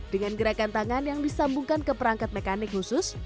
dengan gerakan tangan yang disambungkan ke perangkat mekanik khusus